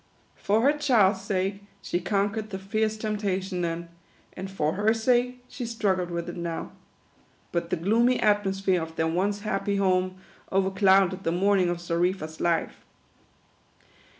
For her child's sake she conquered the fierce temptation then ; and for her sake, she struggled with it now. But the gloomy atmosphere of their once happy home overclouded the morning of Xarifa 's life.